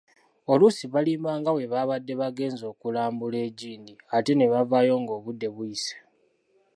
Oluusi balimba nga bwe babadde bagenze okulambula egindi ate nebavaayo ng'obudde buyise.